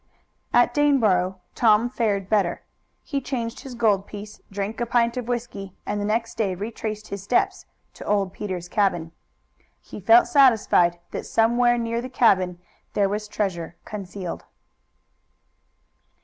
At Daneboro Tom fared better. He changed his gold piece, drank a pint of whisky, and the next day retraced his steps to old Peter's cabin. He felt satisfied that somewhere near the cabin there was treasure concealed.